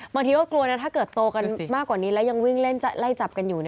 บางทีก็กลัวนะถ้าเกิดโตกันมากกว่านี้แล้วยังวิ่งเล่นไล่จับกันอยู่